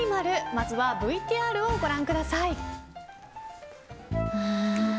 まずはＶＴＲをご覧ください。